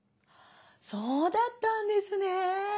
「そうだったんですね。